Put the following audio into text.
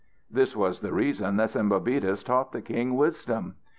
This was the reason that Sembobitis taught the king wisdom.